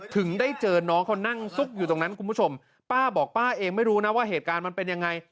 ถึงได้เจอน้องเขานั่งซุกอยู่ตรงนั้นคุณผู้ชมป้าบอกป้าเองไม่รู้นะว่าเหตุการณ์มันเป็นยังไง